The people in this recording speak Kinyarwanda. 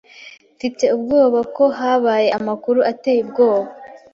Mfite ubwoba ko habaye amakuru ateye ubwoba.